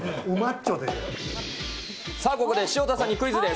さあここで潮田さんにクイズです。